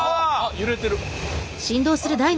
揺れてる！え！